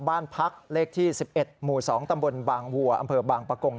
บ้านพักเลขที่๑๑หมู่๒ตำบลบางวัวอำเภอบางปะกง